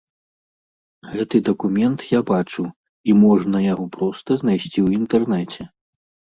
Гэты дакумент я бачыў і можна яго проста знайсці ў інтэрнэце.